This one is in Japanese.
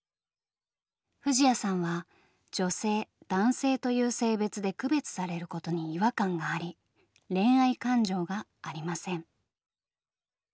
藤彌さんは女性男性という性別で区別されることに違和感があり恋愛感情がありません。